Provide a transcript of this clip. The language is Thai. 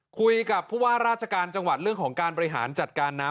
คุยกับผู้ว่าราชการจังหวัดเรื่องของการบริหารจัดการน้ำ